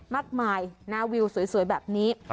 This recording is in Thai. มากมายนะวิวสวยแบบนี้